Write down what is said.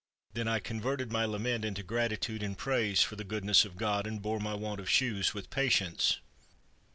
Then I converted my lament into gratitude and praise for the goodness of God, and bore my want of shoes with patience.